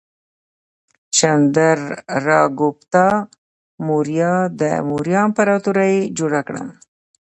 چندراګوپتا موریا د موریا امپراتورۍ جوړه کړه.